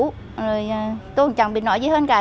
tôi cũng chẳng biết nói gì hơn cả